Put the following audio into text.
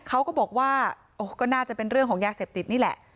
เขาก็บอกว่าก็น่าจะเป็นเรื่องของยาเสพติดนี่แหละ